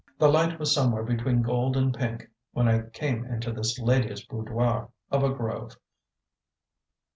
The light was somewhere between gold and pink when I came into this lady's boudoir of a grove.